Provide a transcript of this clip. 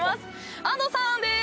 安藤さんです！